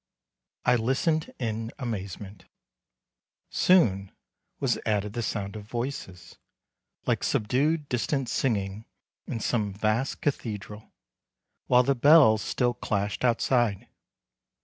I listened in amazement; soon was added the sound of voices, like subdued distant singing in some vast cathedral, while the bells still clashed outside.